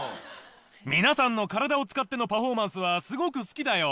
皆さんの体を使ってのパフォーマンスはすごく好きだよ